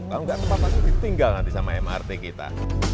kalau nggak tepat tinggal nanti sama mrt kita